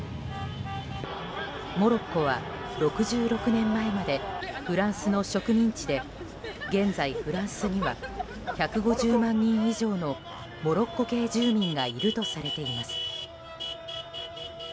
モロッコは６６年前までフランスの植民地で現在、フランスには１５０万人以上のモロッコ系住民がいるとされています。